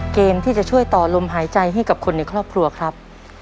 เกมที่จะช่วยต่อลมหายใจให้กับคนในครอบครัวครับ